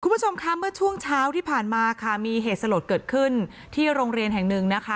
คุณผู้ชมคะเมื่อช่วงเช้าที่ผ่านมาค่ะมีเหตุสลดเกิดขึ้นที่โรงเรียนแห่งหนึ่งนะคะ